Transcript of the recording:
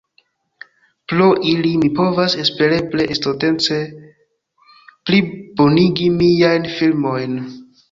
Pro ili, mi povas espereble estontece pli bonigi miajn filmojn.